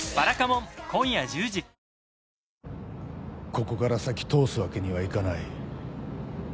ここから先通すわけにはいかない。